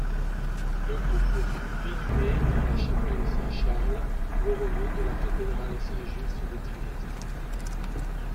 Le couple fut inhumé dans la chapelle Saint-Charles-Borromée de la cathédrale Saint-Just de Trieste.